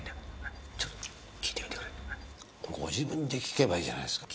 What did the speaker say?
ご自分で訊けばいいじゃないですか。